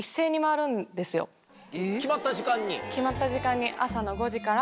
決まった時間に。